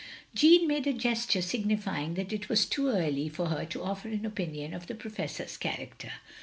Jeanne made a gesture signifying that it was too early for her to offer an opinion of the Pro fessor's character.